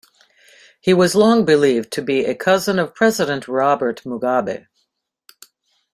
He was long believed to be a cousin of President Robert Mugabe.